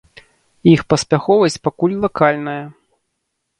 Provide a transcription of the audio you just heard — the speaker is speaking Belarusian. Іх паспяховасць пакуль лакальная.